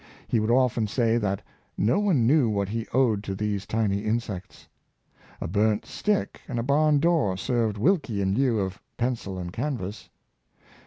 He would often say that no one knew what he owed to these tiny insects. A burnt stick and a barn door served Wilkie in lieu of pencil and canvas.